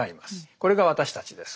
これが私たちです。